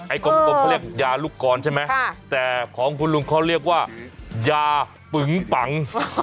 กลมเขาเรียกยาลูกกรใช่ไหมแต่ของคุณลุงเขาเรียกว่ายาปึงปัง